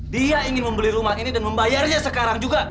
dia ingin membeli rumah ini dan membayarnya sekarang juga